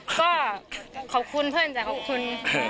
ก็ขอบคุณเพื่อนจ้ะขอบคุณ